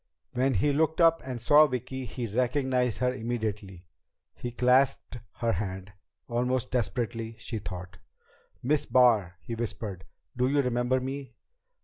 When he looked up and saw Vicki, he recognized her immediately. He clasped her hand, almost desperately, she thought. "Miss Barr!" he whispered. "Do you remember me?"